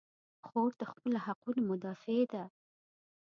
خور د خپلو حقونو مدافع ده.